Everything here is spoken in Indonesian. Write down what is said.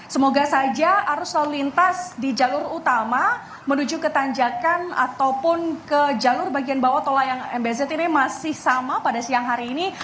semoga saja arus lalu lintas di jalur utama menuju ke tanjakan ataupun ke jalur bagian bawah tol layang mbz ini masih sama pada siang hari ini